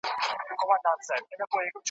سترګي له نړۍ څخه پټي کړې .